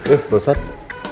eh pak ustadz